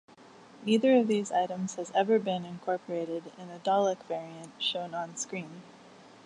Neither of these items has ever been incorporated in a Dalek variant shown on-screen.